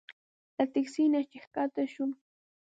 له تکسي نه چې ښکته شوو.